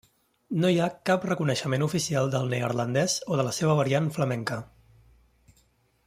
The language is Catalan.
No hi ha cap reconeixement oficial del neerlandès o de la seva variant flamenca.